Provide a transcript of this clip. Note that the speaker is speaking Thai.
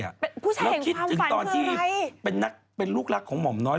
แล้วคิดถึงตอนที่เป็นลูกรักของหม่อมน้อย